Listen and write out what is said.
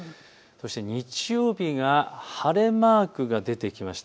そして日曜日が晴れマークが出てきました。